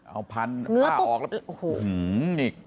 เอ้าพรรดิแล้วพาก็ออกแล้วโอ้โห